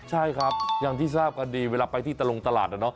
ใช่ครับอย่างที่ทราบกันดีเวลาไปที่ตะลงตลาด